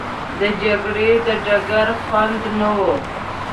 د جګړې د ډګر خوند نه وو.